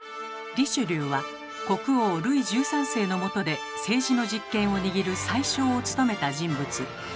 リシュリューは国王ルイ１３世のもとで政治の実権を握る宰相を務めた人物。